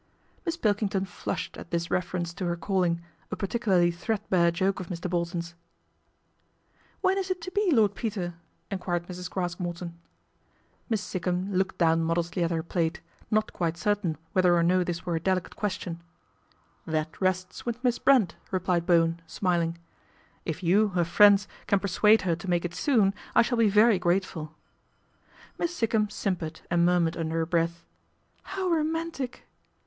Miss Pilkington flushed at this reference to her calling, a particularly threadbare joke of Mr. Bolton's. " When is it to be, Lord Peter ?" enquired Mrs. Craske Morton. Miss Sikkum looked down modestly at her plate, not quite certain whether or no this were a delicate question " That rests with Miss Brent," replied Bo wen, smiling. " If you, her friends, can persuade her to make it soon, I shall be very grateful." Miss Sikkum simpered and murmured under her breath, " How romantic."